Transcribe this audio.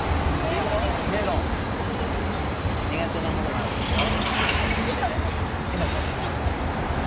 にがてなものもあるでしょ？